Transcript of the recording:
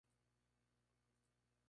Unión fue el último clásico que dirigió.